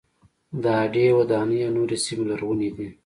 د هډې وداني او نورې سیمې لرغونې دي.